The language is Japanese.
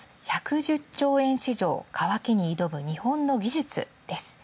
１１０兆円市場、渇きに挑む日本の技術です。